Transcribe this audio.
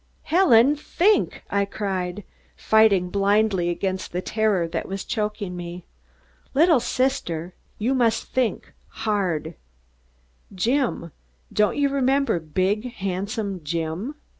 "Helen, think!" I cried, fighting blindly against the terror that was choking me. "Little sister. You must think hard. Jim. Don't you remember big handsome Jim?"